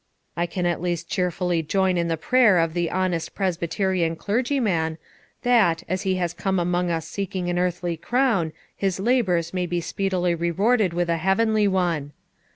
I can at least cheerfully join in the prayer of the honest Presbyterian clergyman, that, as he has come among us seeking an earthly crown, his labours may be speedily rewarded with a heavenly one.